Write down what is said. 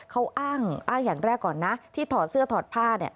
เขาอ้างอย่างแรกก่อนนะที่ถอดเสื้อถอดผ้า